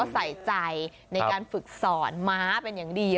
ใส่ใจในการฝึกสอนม้าเป็นอย่างดี